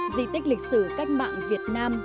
dì tích lịch sử cách mạng việt nam